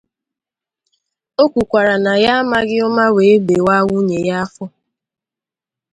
O kwukwara na ya amaghị ụma wee bèwaa nwunye ya afọ.